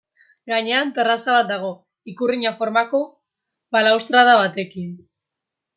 Gainean terraza bat dago, ikurrina formako balaustrada batekin.